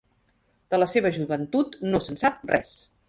De la seva joventut no se'n sap res.